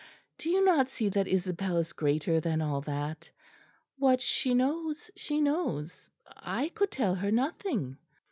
Do you not see that Isabel is greater than all that? What she knows, she knows. I could tell her nothing."